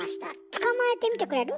捕まえてみてくれる？